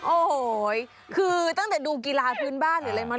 โอ้โหคือตั้งแต่ดูกีฬาพื้นบ้านหรืออะไรมา